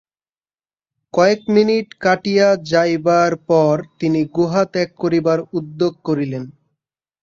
কয়েক মিনিট কাটিয়া যাইবার পর তিনি গুহা ত্যাগ করিবার উদ্যোগ করিলেন।